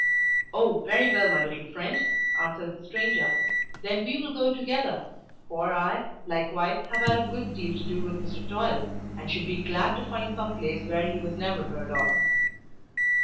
"Oh, very well, my little friend!" answered the stranger. "Then we will go together; for I, likewise, have had a good deal to do with Mr. Toil, and should be glad to find some place where he was never heard of."